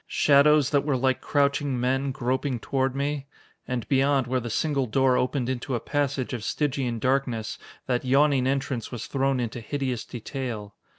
Shadows that were like crouching men, groping toward me. And beyond, where the single door opened into a passage of Stygian darkness, that yawning entrance was thrown into hideous detail.